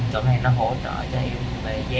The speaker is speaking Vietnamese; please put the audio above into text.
chỗ này nó hỗ trợ cho em về giá